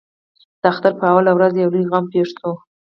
د اختر پر لومړۍ ورځ یو لوی غم پېښ شوی.